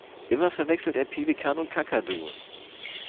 Immer verwechselt er Pelikan und Kakadu.